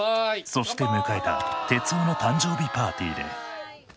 そして迎えた徹生の誕生日パーティーで。